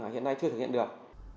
hiện nay chưa thực hiện được